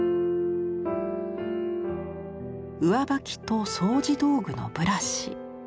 上履きと掃除道具のブラシ。